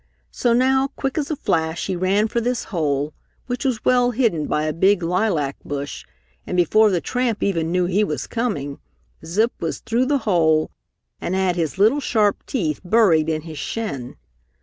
So now quick as a flash he ran for this hole, which was well hidden by a big lilac bush, and before the tramp even knew he was coming, Zip was through the hole and had his little, sharp teeth buried in his shin.